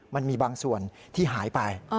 มันมีบางส่วนที่หายไป